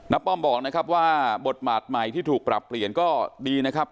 ป้อมบอกนะครับว่าบทบาทใหม่ที่ถูกปรับเปลี่ยนก็ดีนะครับ